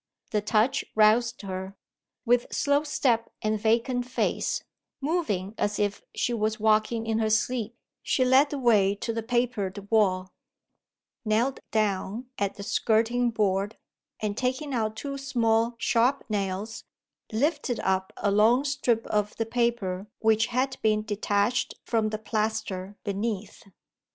The touch roused her. With slow step and vacant face moving as if she was walking in her sleep she led the way to the papered wall; knelt down at the skirting board; and, taking out two small sharp nails, lifted up a long strip of the paper which had been detached from the plaster beneath.